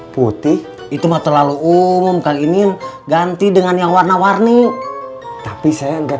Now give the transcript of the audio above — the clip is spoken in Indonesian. putih itu mah terlalu umum kainin ganti dengan yang warna warni tapi saya enggak